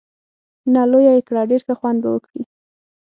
نه، لویه یې کړه، ډېر ښه خوند به وکړي.